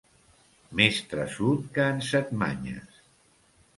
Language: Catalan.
Més traçut que en Set-manyes.